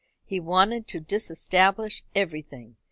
He wanted to disestablish everything.